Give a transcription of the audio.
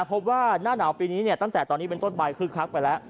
พบว่าหน้าหนาวปีนี้ตั้งแต่ตอนนี้เป็นต้นไปคึกคักไปแล้ว